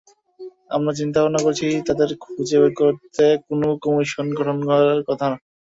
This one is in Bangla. আমরা চিন্তাভাবনা করছি, তাঁদের খুঁজে বের করতে কোনো কমিশন গঠন করার কথা।